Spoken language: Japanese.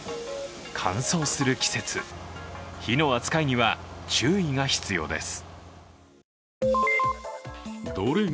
乾燥する季節、火の扱いには注意が必要です。